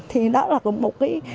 thì đó là một cái